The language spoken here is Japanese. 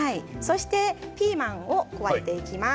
ピーマンを加えていきます。